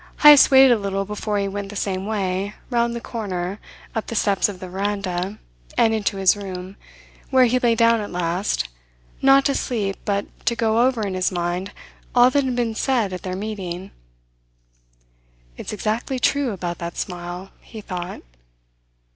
Heyst waited a little before he went the same way, round the corner, up the steps of the veranda, and into his room, where he lay down at last not to sleep, but to go over in his mind all that had been said at their meeting. "It's exactly true about that smile," he thought.